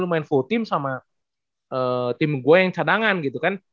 main full team sama tim gue yang cadangan gitu kan